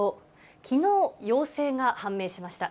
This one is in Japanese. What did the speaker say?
きのう、陽性が判明しました。